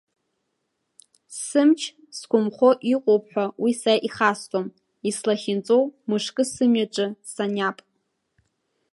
Сымч зқәмхо иҟоуп ҳәа уи са ихасҵом, ислахьынҵоу мышкы сымҩаҿы саниап…